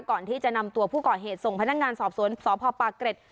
ก่อนที่จะนำตัวผู้ก่อเหตุส่งพนักงานสอบสวนสพปากเกร็ด